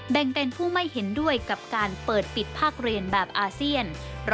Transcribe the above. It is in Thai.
แบ่งเป็นผู้ไม่เห็นด้วยกับการเปิดปิดภาคเรียนแบบอาเซียน